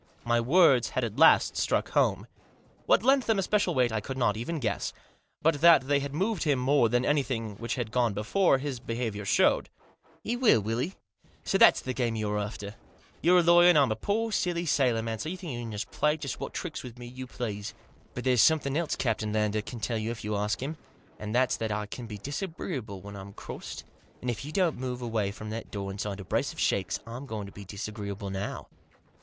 My words had at last struck home. What lent them especial weight I could not even guess. But that they had moved him more than anything which had gone before his behaviour showed. " He will, will he ? So that's the game you're after. You're a lawyer, and I'm a poor, silly sailor man, so you think you can play just what tricks with me you please. But there's something else Captain Lander can tell you if you ask him, and that's that I can be disagreeable when I'm crossed, and if you don't move away from that door inside a brace of shakes I'm going to be disagreeable now."